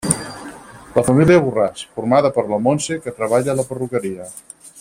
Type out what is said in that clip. La família Borràs: formada per la Montse, que treballa a la perruqueria.